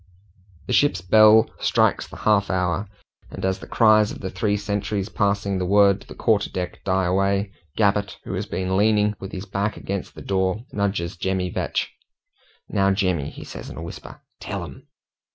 The ship's bell strikes the half hour, and as the cries of the three sentries passing the word to the quarter deck die away, Gabbett, who has been leaning with his back against the door, nudges Jemmy Vetch. "Now, Jemmy," says he in a whisper, "tell 'em!"